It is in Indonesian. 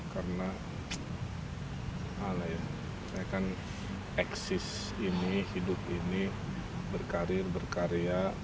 karena saya kan eksis ini hidup ini berkarir berkarya